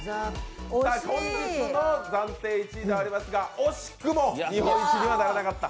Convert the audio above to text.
本日の暫定１位ではありますが惜しくも日本一にはならなかった